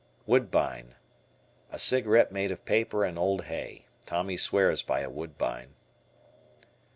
Woodbine. A cigarette made of paper and old hay. Tommy swears by a Woodbine.